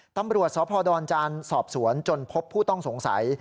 ตำรวจสพดอนจานสอบสวนจนพบผู้ต้องสงสัย